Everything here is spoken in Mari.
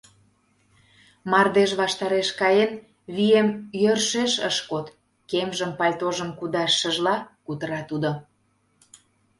Мардеж ваштареш каен, вием йӧршеш ыш код, — кемжым, пальтожым кудашшыжла кутыра тудо.